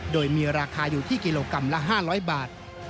โดยมีราคาอยู่ที่กิโลกรัมละ๕๐๐บาท